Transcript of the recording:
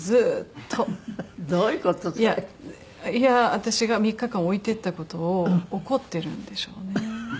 私が３日間置いていった事を怒ってるんでしょうね。